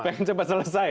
pengen cepat selesai